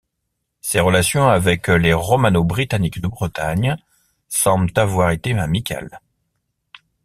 Ses relations avec les romano-britanniques de Bretagne semblent avoir été amicales.